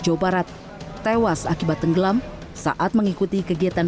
jawa barat tewas akibat tenggelam saat mengikuti kegiatan